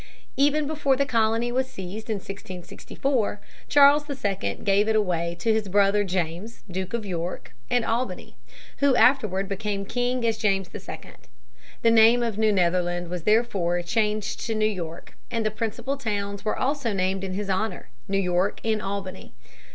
Even before the colony was seized in 1664, Charles II gave it away to his brother James, Duke of York and Albany, who afterward became king as James II. The name of New Netherland was therefore changed to New York, and the principal towns were also named in his honor, New York and Albany.